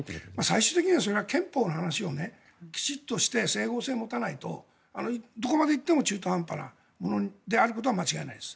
最終的には、それは憲法の話をきちんとして整合性を持たないとどこまで行っても中途半端なものであることは間違いないです。